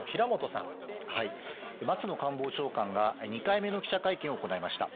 松野官房長官が、２回目の記者会見を行いました。